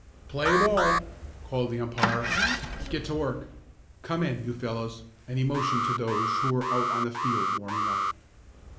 "Play ball!" called the umpire. "Get to work. Come in, you fellows," and he motioned to those who were out on the field warming up.